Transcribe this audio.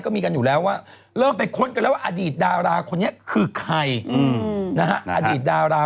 ผมเฝ้าว่าคุณเอารูปนี้ดีกว่า